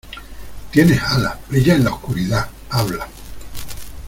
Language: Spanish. ¡ Tienes alas! ¡ brillas en la oscuridad !¡ hablas !